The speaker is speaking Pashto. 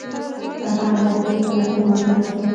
سفر د اپریل په لسمه پیل شو.